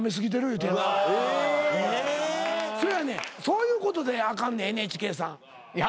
そういうことであかんねんＮＨＫさん。